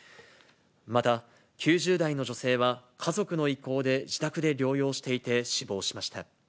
また、９０代の女性は家族の意向で自宅で療養していて死亡しました。